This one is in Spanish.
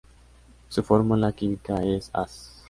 Su fórmula química es As